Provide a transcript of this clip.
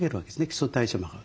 基礎代謝も上がる。